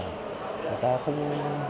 người ta không